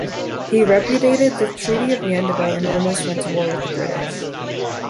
He repudiated the Treaty of Yandabo and almost went to war with the British.